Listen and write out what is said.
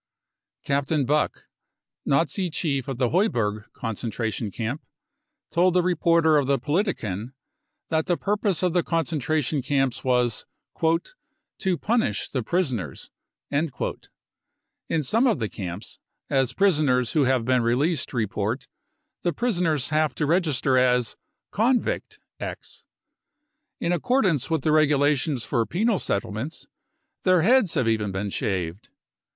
Captain Buck, Nazi chief of the Heuberg concentration camp, told the reporter of the Politiken that the purpose of the concentra tion camps was " to punish the prisoners. 55 In some of the camps, as prisoners who have been released report, the prisoners have to register as " Convict 55 X. In accordance with the regulations for penal settlements, their heads have even been shaved.